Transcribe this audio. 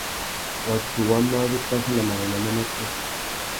Watu wá má zu kachi nà manônôh má matia.